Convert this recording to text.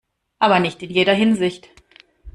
Aber nicht in jeder Hinsicht.